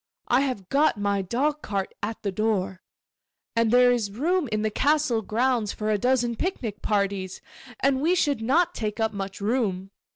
I have got my dog cart at the door, and there is room in the castle grounds for a dozen picnic parties; and we should not take up much room.